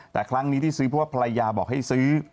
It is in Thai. แต่ครั้งนี้ที่ซื้อเพราะว่าภรรยาบอกให้ซื้อ